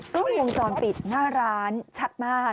กล้องวงจรปิดหน้าร้านชัดมาก